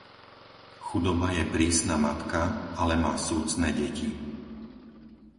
Chudoba je prísná matka, ale má súcné deti.